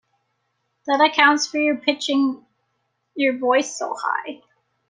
That accounts for your pitching your voice so high.